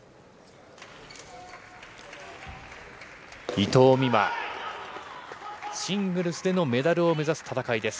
伊藤美誠、シングルスでのメダルを目指す戦いです。